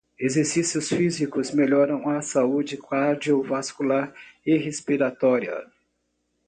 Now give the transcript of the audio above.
Exercícios físicos melhoram a saúde cardiovascular e respiratória.